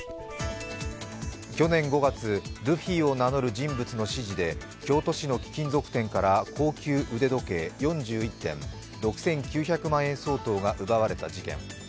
去年５月、ルフィを名乗る人物の指示で、京都市の貴金属店から高級腕時計４１点、６９００万円相当が奪われた事件。